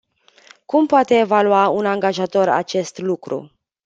Cum poate evalua un angajator acest lucru?